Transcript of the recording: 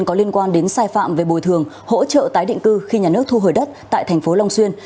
có liên quan đến sai phạm về bồi thường hỗ trợ tái định cư khi nhà nước thu hồi đất tại thành phố long xuyên